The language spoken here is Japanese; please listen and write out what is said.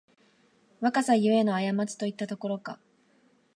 若さゆえのあやまちといったところか